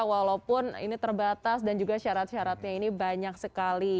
walaupun ini terbatas dan juga syarat syaratnya ini banyak sekali